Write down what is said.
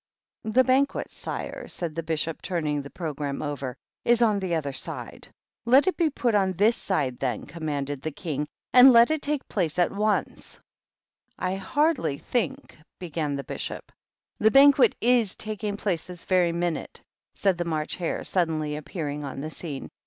" The Banquet, sire," said the Bishop, turning the Programme over, "is on the other side." " Let it be put on this side, then," commanded the King, " and let it take place at once." 264 THE GREAT OCCASION. "I hardly think " began the Bishop. "The Banquet is taking place this very minute," said the March Hare, suddenly appear ing on the scene.